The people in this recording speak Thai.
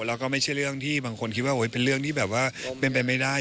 แล้วก็ไม่ใช่เรื่องที่บางคนคิดว่าเป็นเรื่องที่แบบว่าเป็นไปไม่ได้